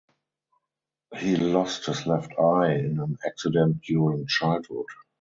He lost his left eye in an accident during childhood.